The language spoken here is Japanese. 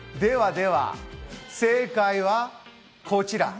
では正解はこちら。